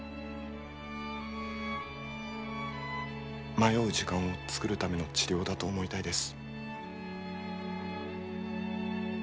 迷う時間を作るための治療だと思いたいです。